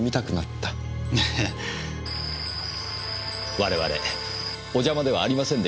我々お邪魔ではありませんでしたか？